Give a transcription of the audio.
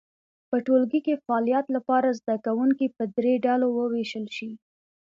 په ټولګي کې فعالیت لپاره زده کوونکي په درې ډلو وویشل شي.